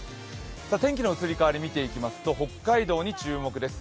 天気の移り変わり見ていきますと、北海道に注目です。